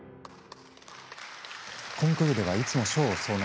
コンクールではいつも賞を総なめ。